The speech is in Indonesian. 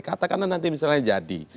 katakanlah nanti misalnya jadi